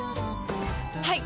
はい！